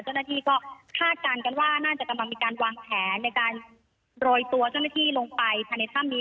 เจ้าหน้าที่ก็คาดการณ์กันว่าน่าจะกำลังมีการวางแผนในการโรยตัวเจ้าหน้าที่ลงไปภายในถ้ำนี้